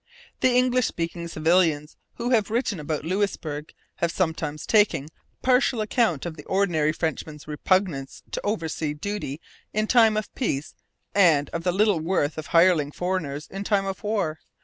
English speaking civilians who have written about Louisbourg have sometimes taken partial account of the ordinary Frenchman's repugnance to oversea duty in time of peace and of the little worth of hireling foreigners in time of war.